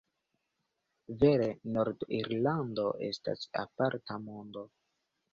Vere Nord-Irlando estas aparta mondo.